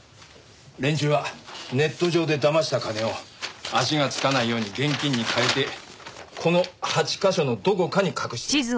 連中はネット上でだました金を足がつかないように現金に換えてこの８カ所のどこかに隠している。